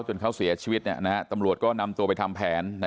จนเขาเสียชีวิตตำรวจก็นำตัวไปทำแผน